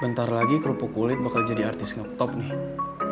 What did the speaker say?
bentar lagi kerupuk kulit bakal jadi artis ngeptop nih